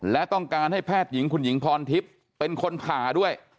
และต้องการให้แพทย์หญิงคุณหญิงพรทิพย์เป็นคนผ่าด้วย